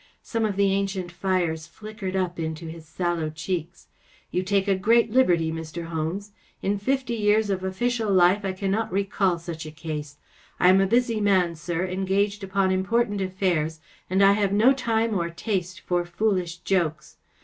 Some of the ancient fires flickered up into his sallow cheeks. " You take a great liberty, Mr. Holmes. In fifty years of official life I cannot recall such a case. I am a busy man, sir, engaged upon important affairs, and I have no time or taste for foolish jokes.